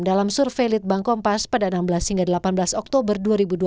dalam survei litbang kompas pada enam belas hingga delapan belas oktober dua ribu dua puluh